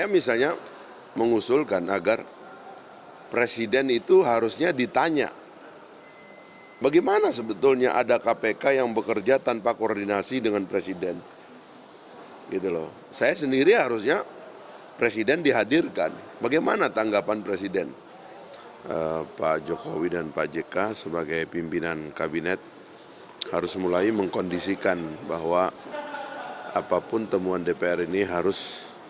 dibandingkan dengan upaya mendorong kemampuan penyelidikan penyelidikan dan penuntutan kpk sama sekali tidak berpedoman pada kuhab dan mengabaikan